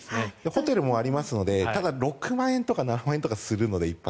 ホテルもありますのでただ、１泊６万円とか７万円するので。